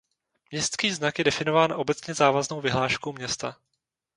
Městský znak je definován obecně závaznou vyhláškou města.